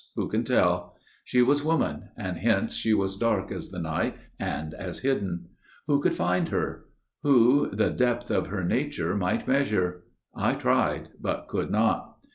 Who can tell? She was woman, And hence she was dark as the night, and as hidden! Who could find her? Who the depth of her nature Might measure? I tried but could not.